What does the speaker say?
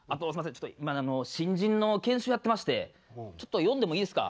ちょっと今新人の研修やってましてちょっと呼んでもいいですか？